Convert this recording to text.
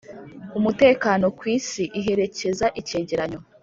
umutekano ku isi iherekeza icyegeranyo